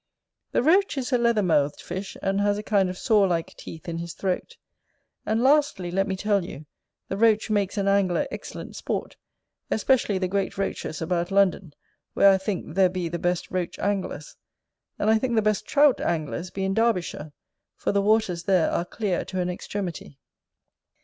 The Roach is a leather mouthed fish, and has a kind of saw like teeth in his throat. And lastly, let me tell you, the Roach makes an angler excellent sport, especially the great Roaches about London, where I think there be the best Roach anglers. And I think the best Trout anglers be in Derbyshire; for the waters there are clear to an extremity.